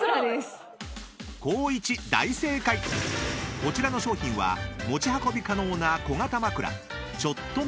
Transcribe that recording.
［こちらの商品は持ち運び可能な小型枕］